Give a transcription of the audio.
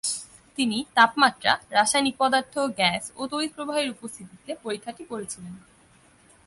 তিনি তাপমাত্রা, রাসায়নিক পদার্থ, গ্যাস ও তড়িৎ প্রবাহের উপস্থিতিতে পরীক্ষাটি করেছিলেন।